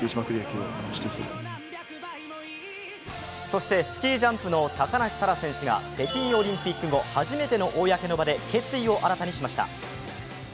そしてスキージャンプの高梨沙羅選手が北京オリンピック後初めての公の場で決意を新たにしました。